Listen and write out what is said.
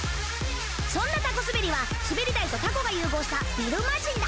そんなタコスベリは滑り台とタコが融合した「ビルマジン」だ！